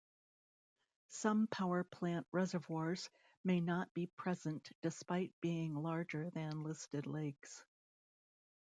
Some power plant reservoirs may not be present despite being larger than listed lakes.